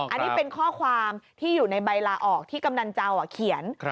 อันนี้เป็นข้อความที่อยู่ในใบลาออกที่กำนันเจ้าเขียน